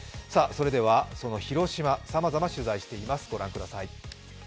その広島、さまざま取材していますご覧ください。